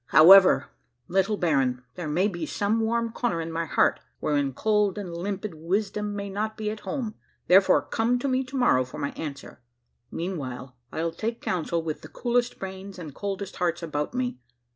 However, little baron, there may be some warm corner in my heart wherein cold and limpid wisdom may not be at home. Therefore, come to me to morrow for my answer, meanwhile I'll take council with the coolest brains and coldest hearts about me.